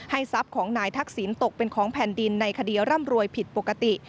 ทรัพย์ของนายทักษิณตกเป็นของแผ่นดินในคดีร่ำรวยผิดปกติ